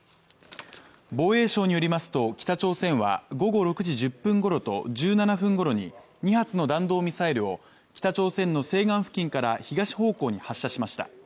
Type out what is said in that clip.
防衛省によりますと、北朝鮮は午後６時１０分頃と１７分頃に２発の弾道ミサイルを北朝鮮の西岸付近から東方向に発射しました。